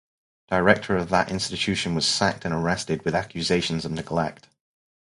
Director of that institution was sacked and arrested with accusations of neglect.